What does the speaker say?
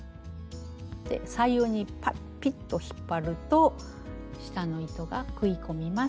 左右にピッと引っ張ると下の糸が食い込みます。